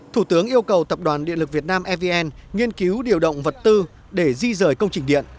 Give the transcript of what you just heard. thủ tướng yêu cầu tập đoàn điện lực việt nam evn nghiên cứu điều động vật tư để di rời công trình điện